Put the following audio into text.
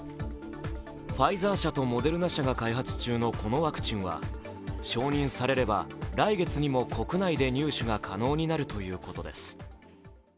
ファイザー社とモデルナ社が開発中のこのワクチンは承認されれば来月にも国内で入手が可能になるということです。